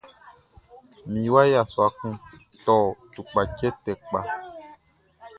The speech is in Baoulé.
Mi wa yassua kun tɔ tupkatʃɛ tɛ kpa.